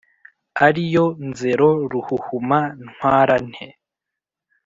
Ari yo : Nzero, Ruhuhuma, Ntwarante